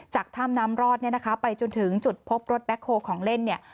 จากถ้ำน้ำรอดเนี่ยนะคะไปจนถึงจุดพบรถแบ็คโฮลของเล่นเนี่ย